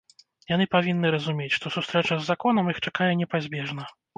Яны павінны разумець, што сустрэча з законам іх чакае непазбежна.